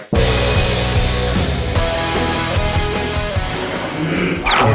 เน่น